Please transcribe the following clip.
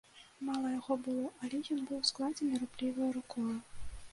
Мала яго было, але ён быў складзены рупліваю рукою.